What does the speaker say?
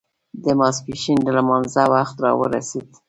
د ماسپښين د لمانځه وخت را ورسېد.